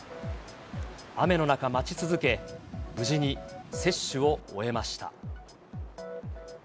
雨の中、待ち続け、無事に接種を終えました。